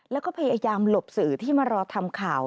แล้วก็พยายามหลบสื่อที่มารอทำข่าว